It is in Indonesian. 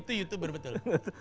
itu youtuber betul